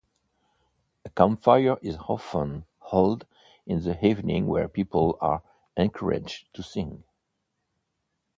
A campfire is often held in the evening where people are encouraged to sing.